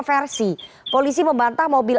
versi polisi membantah mobil